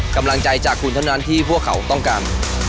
กำลังใจจากคุณเท่านั้นที่พวกเขาต้องการ